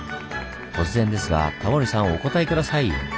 突然ですがタモリさんお答え下さい！